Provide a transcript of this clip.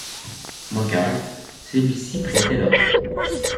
Moqueur, celui-ci prêtait l'oreille.